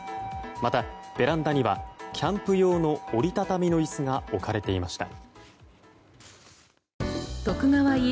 また、ベランダにはキャンプ用の折り畳みの椅子が置かれていました。